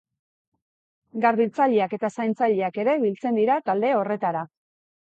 Garbitzaileak eta zaintzaileak ere biltzen dira talde horretara.